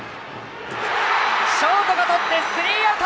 ショートがとってスリーアウト！